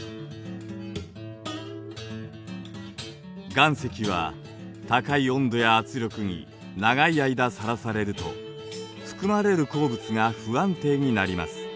岩石は高い温度や圧力に長い間さらされると含まれる鉱物が不安定になります。